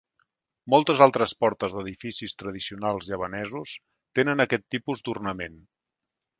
Moltes altres portes d'edificis tradicionals javanesos tenen aquest tipus d'ornament.